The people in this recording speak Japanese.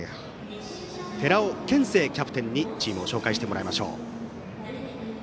寺尾拳聖キャプテンにチームを紹介してもらいます。